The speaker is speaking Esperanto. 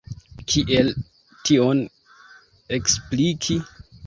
Kiel tion ekspliki?